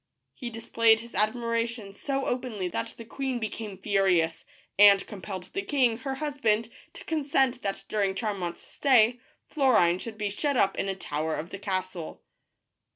He displayed his admiration so openly that the queen became furious, and compelled the king, her husband, to consent that during Charmant's stay Florine should be shut up in a tower of the castle.